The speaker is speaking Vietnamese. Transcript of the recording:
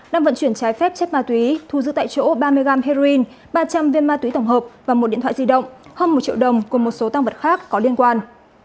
đang vận chuyển trái phép chất ma túy thu giữ tại chỗ ba mươi gam heroin ba trăm linh viên ma túy tổng hợp và một điện thoại di động hơn một triệu đồng cùng một số tăng vật khác có liên quan